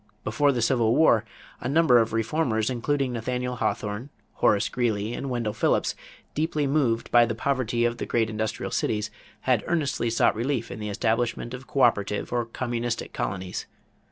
Before the Civil War, a number of reformers, including Nathaniel Hawthorne, Horace Greeley, and Wendell Phillips, deeply moved by the poverty of the great industrial cities, had earnestly sought relief in the establishment of coöperative or communistic colonies.